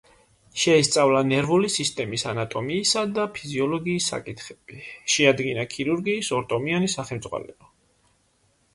შეისწავლა ნერვული სისტემის ანატომიისა და ფიზიოლოგიის საკითხები, შეადგინა ქირურგიის ორტომიანი სახელმძღვანელო.